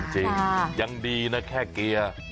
จริงยังดีนะแค่เกียร์